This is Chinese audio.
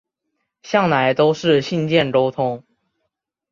向来都是信件沟通